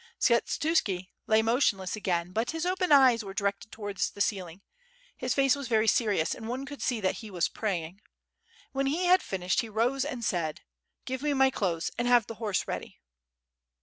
.... Skshetuski lay motionless again, but his open eyes were directed towards the ceiling, his face was very serious and one could see that he was praying. When he had finished he rose and said: "Give me my clothes and have the horse ready."